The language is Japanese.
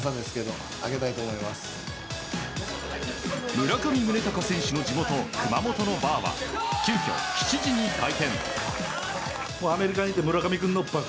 村上宗隆選手の地元熊本のバーは急きょ、７時に開店。